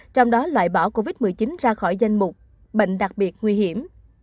trong đó loại bỏ covid một mươi chín ra khỏi danh mục bệnh đặc biệt nguy hiểm